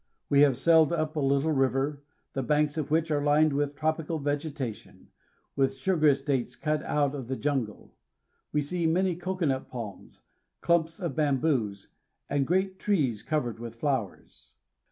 We have sailed up a little river, the banks of which are lined with tropical vegetatfon, with sugar estates cut out of the jun gle. We see many cocoanut palms, clumps of bamboos, and great trees covered with flowers.